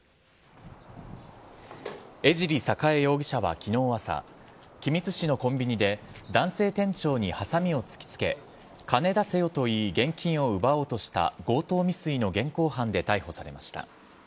江尻栄容疑者はきのう朝、君津市のコンビニで男性店長にはさみを突きつけ、金出せよと言い、現金を奪おうとした強盗未遂の現行犯で逮捕されました。